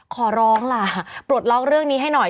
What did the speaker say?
ขอร้องล่ะปลดล็อกเรื่องนี้ให้หน่อย